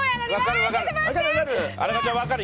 荒川ちゃん分かる。